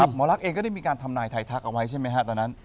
หมอลักษณ์เองก็ได้มีการทำนายไทยทักเอาไว้ใช่ไหมฮะตอนนั้น